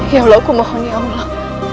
ya allah aku mohon ya allah